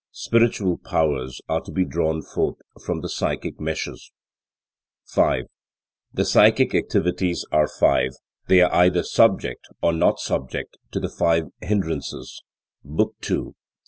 Spiritual powers are to be drawn forth from the psychic meshes. 5. The psychic activities are five; they are either subject or not subject to the five hindrances (Book II, 3).